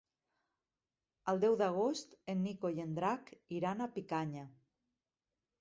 El deu d'agost en Nico i en Drac iran a Picanya.